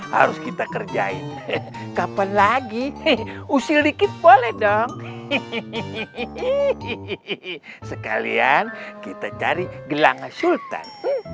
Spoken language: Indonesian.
harus kita kerjain kapan lagi hei usil dikit boleh dong sekalian kita cari gelang sultan